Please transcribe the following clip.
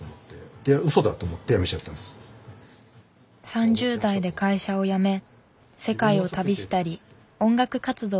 ３０代で会社を辞め世界を旅したり音楽活動をしたり。